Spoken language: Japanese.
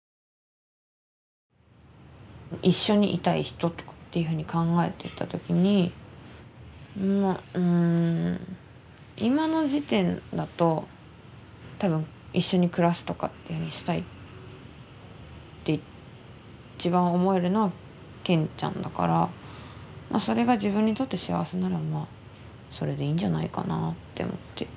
一緒にいたい人っていうふうに考えていった時にうん今の時点だと多分一緒に暮らすとかっていうふうにしたいって一番思えるのはけんちゃんだからそれが自分にとって幸せならまあそれでいいんじゃないかなって思って。